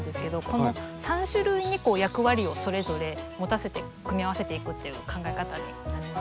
この３種類に役割をそれぞれ持たせて組み合わせていくっていう考え方になります。